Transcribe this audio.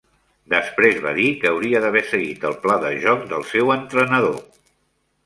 Després va dir que hauria d'haver seguit el pla de joc del seu entrenador.